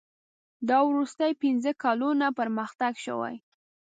دا وروستي پنځه کلونه پرمختګ شوی.